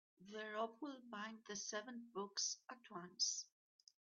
The rope will bind the seven books at once.